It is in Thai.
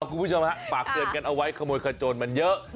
คุณผู้ชมฮะฝากเตือนกันเอาไว้ขโมยขโจนมันเยอะ